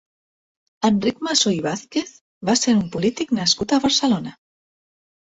Enric Masó i Vázquez va ser un polític nascut a Barcelona.